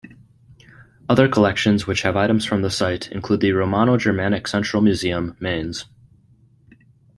Other collections which have items from the site include the Romano-Germanic Central Museum, Mainz.